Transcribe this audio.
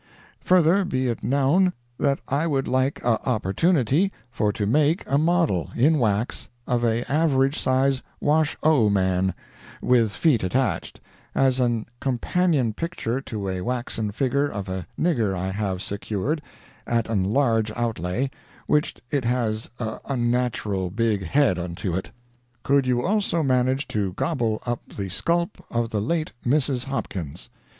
Further, be it nown, that I would like a opportunity for to maik a moddel in wax of a average size wash owe man, with feet attached, as an kompanion pictur to a waxen figger of a nigger I have sekured, at an large outlaye, whitch it has a unnatural big hed onto it. Could you also manage to gobbel up the skulp of the layte Missus Hopkins?